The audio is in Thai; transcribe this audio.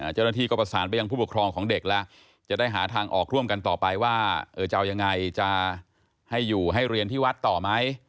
เจ้าหน้าที่ก็ประสานไปยังผู้ปกครองของเด็กแล้วจะได้หาทางออกร่วมกันต่อไปว่าจะเอายังไงจะให้อยู่ให้เรียนที่วัดต่อไหม